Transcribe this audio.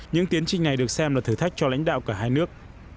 những tiến trình này được xem là thử thách cho lãnh đạo cả hai nước